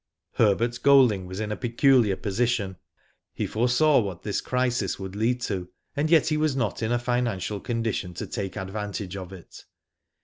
Herbert Golding was in a peculiar position. He foresaw what this crisis would lead to, and yet he was not in a financial condition to take advantage of it.